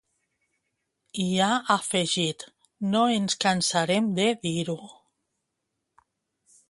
I ha afegit: ‘No ens cansarem de dir-ho’.